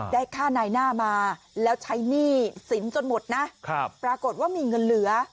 ได้ค่านายหน้ามาแล้วใช้หนี้สินจนหมดนะปรากฏว่ามีเงินเหลือ